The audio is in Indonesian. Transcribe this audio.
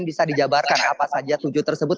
bisa dijabarkan apa saja tujuh tersebut